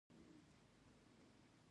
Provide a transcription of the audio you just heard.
ځوانان د علمي نوښتونو سرچینه ده.